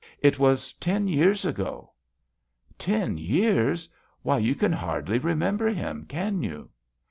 " It was ten years ago." " Ten years ! Why you can hardly remember him, can you?"